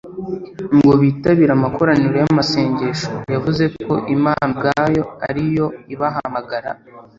ngo bitabire amakoraniro y'amasengesho. yavuze ko imana ubwayo ariyo ibahamagara